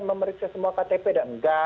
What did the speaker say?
memeriksa semua ktp engga